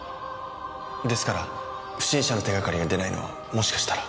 ですから不審者の手がかりが出ないのはもしかしたら。